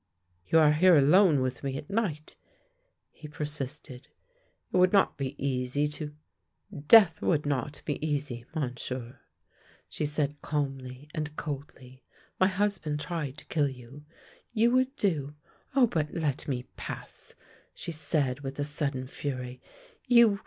" You are here alone with me at night! " he per sisted. " It would not be easy to "" Death would be easy. Monsieur," she said, calmly and coldly. " My husband tried to kill you. You would do — ah, but let me pass! " she said with a sudden fury. "You!